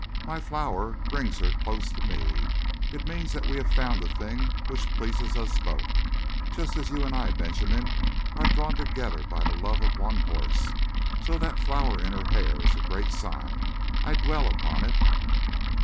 My flower brings her close to me. It means that we have found a thing which pleases us both. Just as you and I, Benjamin, are drawn together by the love of one horse. So that flower in her hair is a great sign. I dwell upon it.